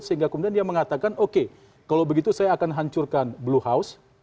sehingga kemudian dia mengatakan oke kalau begitu saya akan hancurkan blue house